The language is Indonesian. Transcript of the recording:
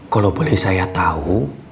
kalo boleh saya tau